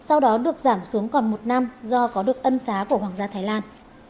ông đã giảm xuống còn một năm do có được âm xá của hoàng gia thái lan